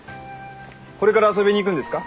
これから遊びに行くんですか？